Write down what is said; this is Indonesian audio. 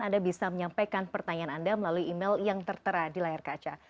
anda bisa menyampaikan pertanyaan anda melalui email yang tertera di layar kaca